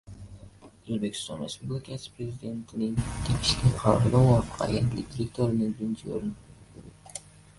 O‘zbekiston Respublikasi Prezidentining tegishli qaroriga muvofiq, Agentlik direktorining birinchi o‘rin